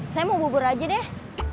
saya mau bubur aja deh